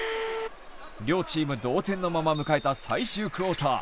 両チーム同点のまま迎えた最終クオーター。